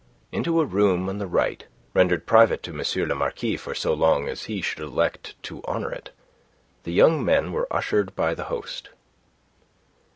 Into a room on the right, rendered private to M. le Marquis for so long as he should elect to honour it, the young men were ushered by the host.